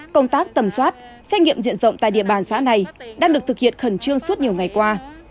công tác tầm soát xét nghiệm diện rộng tại địa bàn xã này đang được thực hiện khẩn trương suốt nhiều ngày qua